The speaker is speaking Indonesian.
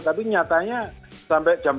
tapi nyatanya sampai jam